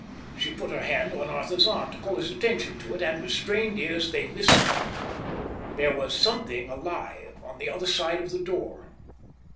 She put her hand on Arthur's arm to call his attention to it, and with strained ears they listened. There was something alive on the other side of the door.